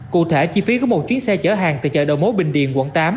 cụ thể chi phí có một chuyến xe chở hàng từ chợ đồ mối bình điền quận tám